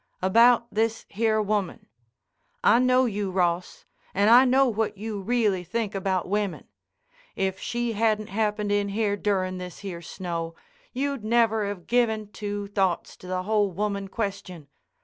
"About this here woman. I know you, Ross, and I know what you reely think about women. If she hadn't happened in here durin' this here snow, you'd never have given two thoughts to the whole woman question.